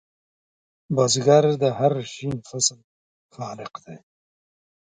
بزګر د هر شین فصل خالق دی